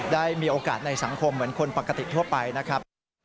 ได้มีโอกาสในสังคมเหมือนคนปกติทั่วไปนะครับ